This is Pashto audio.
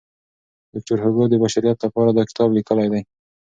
ویکټور هوګو د بشریت لپاره دا کتاب لیکلی دی.